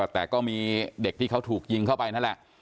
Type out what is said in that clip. แต่ก็มีเด็กที่เขาถูกยิงเข้าไปนั่นแหละ